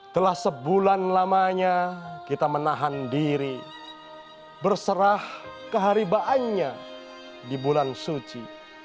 telah sebulan lamanya kita menahan diri berserah keharibaannya di bulan suci